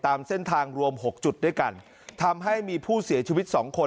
ตามเส้นทางรวมหกจุดด้วยกันทำให้มีผู้เสียชีวิตสองคน